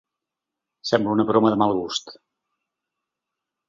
Sembla una broma de mal gust.